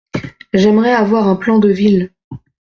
J’aimerais avoir un plan de ville.